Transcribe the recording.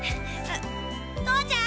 父ちゃん？